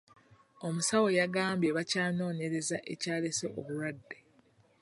Omusawo yagambye bakyanoonyereza ekyaleese obulwadde.